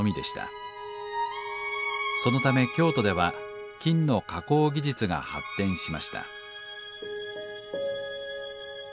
そのため京都では金の加工技術が発展しました。